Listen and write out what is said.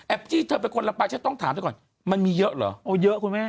จี้เธอเป็นคนลำปางฉันต้องถามเธอก่อนมันมีเยอะเหรอโอ้เยอะคุณแม่